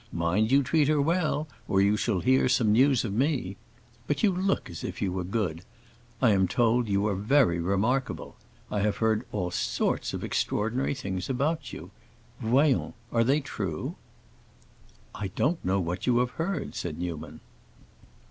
Mind you treat her well, or you shall hear some news of me. But you look as if you were good. I am told you are very remarkable. I have heard all sorts of extraordinary things about you. Voyons, are they true?" "I don't know what you can have heard," said Newman.